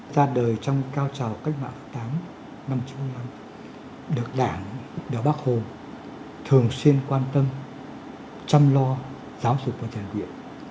ra đời trong cao trào cách mạng tám năm một nghìn chín trăm bốn mươi năm được đảng đều bác hồn thường xuyên quan tâm chăm lo giáo dục và trang viện